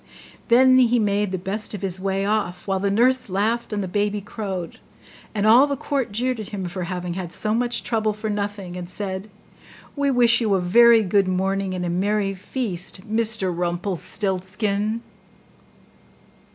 Then he made the best of his way off, while the nurse laughed and the baby crowed; and all the court jeered at him for having had so much trouble for nothing, and said, 'We wish you a very good morning, and a merry feast, Mr RUMPLESTILTSKIN!